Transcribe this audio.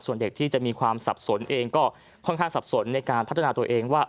ส่วนเด็กที่จะมีความสับสนเองก็ค่อนข้างสับสนในการพัฒนาตัวเองว่า